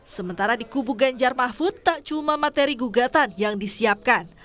sementara di kubu ganjar mahfud tak cuma materi gugatan yang disiapkan